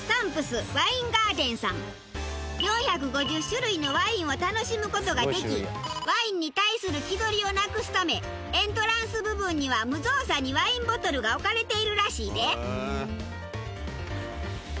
４５０種類のワインを楽しむ事ができワインに対する気取りをなくすためエントランス部分には無造作にワインボトルが置かれているらしいで。